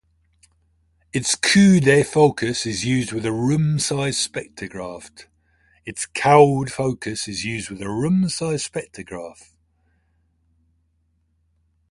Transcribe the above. Its Coude focus is used with a room sized spectrograph.